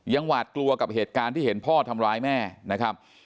หวาดกลัวกับเหตุการณ์ที่เห็นพ่อทำร้ายแม่นะครับ